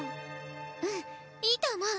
うんいいと思う。